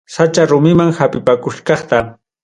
Sacha rumiman hapipakuchkaqta.